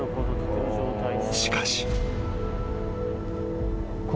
［しかし］